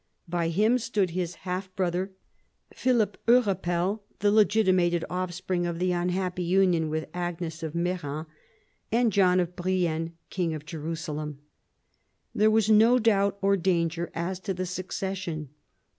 By him stood his half brother, Philip Hurepel, the legitimated offspring of the unhappy union with Agnes of Meran, and John of Brienne, king of Jerusalem. There was no doubt or danger as to the succession.